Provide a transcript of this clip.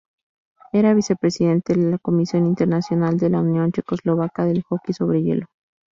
Era vicepresidente de la "Comisión Internacional de la Unión Checoslovaca del Hockey sobre Hielo".